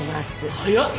早っ！